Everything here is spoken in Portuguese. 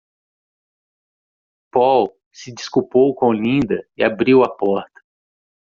Paul se desculpou com Linda e abriu a porta.